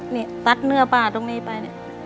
นี่ตัดแนวป้าตรงนี้ไป